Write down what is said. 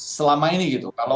selama ini gitu